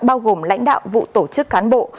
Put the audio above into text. bao gồm lãnh đạo vụ tổ chức cán bộ